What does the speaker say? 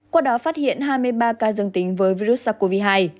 qua đó phát hiện hai mươi ba ca dương tính với virus sars cov hai